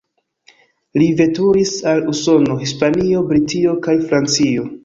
Li veturis al Usono, Hispanio, Britio kaj Francio.